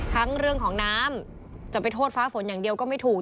ทั้งเรื่องของน้ำจะไปโทษฟ้าฝนอย่างเดียวก็ไม่ถูก